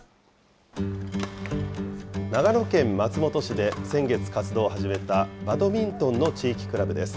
長野県松本市で先月活動を始めたバドミントンの地域クラブです。